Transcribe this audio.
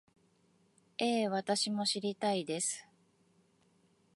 ええ、私も知りたいです